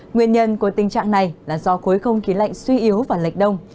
nguyên nhân của tình trạng này là do khối không khí lạnh suy yếu và lệch đông